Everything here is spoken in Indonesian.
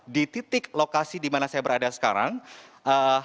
di titik lokasi dimana saya berada sekarang ini adalah satu syawal